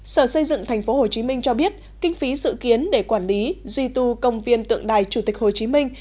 sở xây dựng tp hcm cho biết kinh phí sự kiến để quản lý duy tu công viên tượng đài chủ tịch hồ chí minh